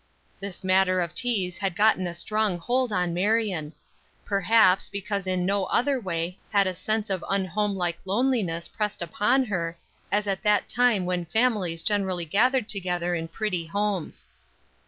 This matter of "teas" had gotten a strong hold on Marion. Perhaps, because in no other way had a sense of unhomelike loneliness pressed upon her, as at that time when families generally gathered together in pretty homes.